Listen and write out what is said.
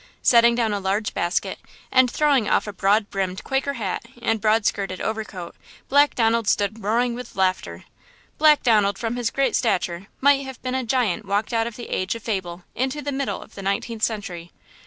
Setting down a large basket, and throwing off a broad brimmed Quaker hat and broad skirted overcoat, Black Donald stood roaring with laughter. Black Donald, from his great stature, might have been a giant walked out of the age of fable into the middle of the nineteenth century.